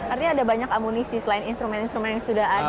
artinya ada banyak amunisi selain instrumen instrumen yang sudah ada